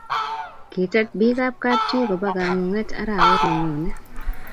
Kitet biikab kapchi koba kamung'et arawet ne nyone